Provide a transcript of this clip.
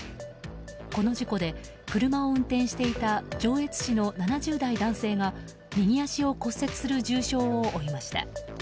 この事故で車を運転していた上越市の７０代男性が右足を骨折する重傷を負いました。